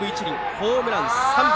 ホームラン、３本。